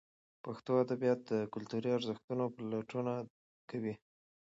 پښتو ادبیات د کلتوري ارزښتونو پلټونه کوي.